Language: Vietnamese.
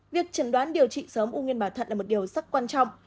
việc chẩn đoán điều trị sớm ung nguyên bảo thận là một điều rất quan trọng